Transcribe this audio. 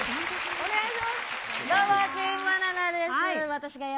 お願いします。